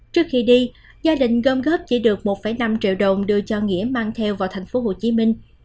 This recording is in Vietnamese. trước khi đi gia đình gom góp chỉ được một năm triệu đồng đưa cho nghĩa mang theo vào tp hcm